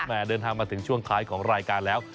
เดินทางมาถึงช่วงท้ายของรายการแล้ว